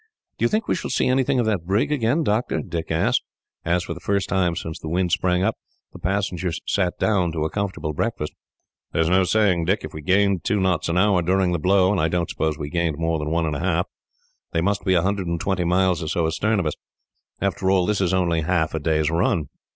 "Do you think we shall see anything of that brig again, doctor?" Dick asked, as, for the first time since the wind sprang up, the passengers sat down to a comfortable breakfast. "There is no saying, Dick. If we gained two knots an hour during the blow (and I don't suppose we gained more than one and a half), they must be a hundred and twenty miles or so astern of us; after all, that is only half a day's run.